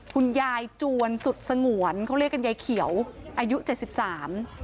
คุณยายจวนสุดสงวนเขาเรียกกันยายเขียวอายุเจ็ดสิบสาม